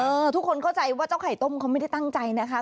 ทุกคนเข้าใจว่าเจ้าไข่ต้มเขาไม่ได้ตั้งใจนะคะ